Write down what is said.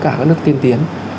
cả các nước tiên tiến